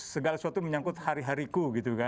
segala sesuatu menyangkut hari hariku